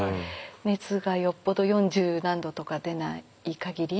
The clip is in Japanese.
熱がよっぽど四十何度とか出ない限り。